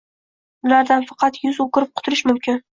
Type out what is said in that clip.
Ulardan faqat yuz o’girib qutulish mumkin